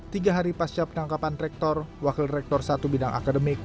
tiga hari pasca penangkapan rektor wakil rektor satu bidang akademik